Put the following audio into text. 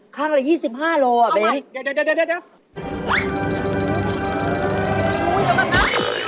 ข้างละ๒๕โลกรัมเบนเอาใหม่เดี๋ยว